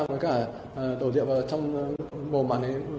với cả đổ điệu vào trong bồn bạn ấy